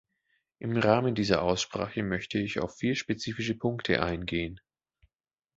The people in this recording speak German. Im Rahmen dieser Aussprache möchte ich auf vier spezifische Punkte eingehen.